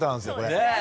ねえ！